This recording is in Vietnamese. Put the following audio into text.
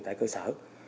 tại cơ sở